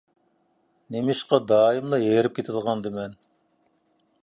نېمىشقا دائىملا ھېرىپ كېتىدىغاندىمەن؟